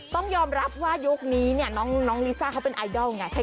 ต้องยอมรับว่ายุคนี้เนี่ยน้องลิซ่าเขาเป็นไอดอลไง